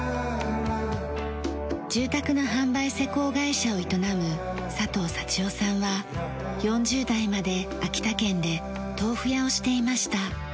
住宅の販売施工会社を営む佐藤幸夫さんは４０代まで秋田県で豆腐屋をしていました。